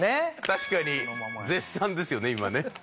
確かに絶賛ですよね今ね。